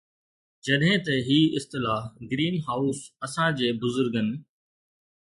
جڏهن ته هي اصطلاح گرين هائوس اسان جي بزرگن